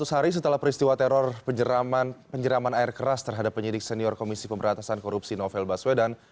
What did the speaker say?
seratus hari setelah peristiwa teror penyeraman air keras terhadap penyidik senior komisi pemberantasan korupsi novel baswedan